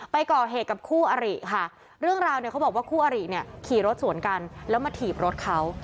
ไปก่อเหตุกับคู่อริค่ะเรื่องราวเนี่ยเขาบอกว่าคู่อริเนี่ยขี่รถสวนกันแล้วมาถีบรถเขา